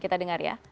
kita dengar ya